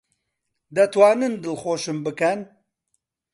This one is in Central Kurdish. دەتوانن دڵخۆشم بکەن؟